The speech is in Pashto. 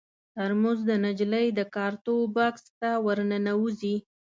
ترموز د نجلۍ د کارتو بکس ته ور ننوځي.